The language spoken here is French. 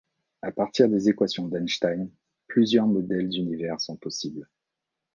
À partir des équations d'Einstein, plusieurs modèles d'Univers sont possibles.